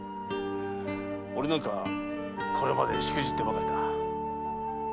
俺なんかこれまでしくじってばかりだ。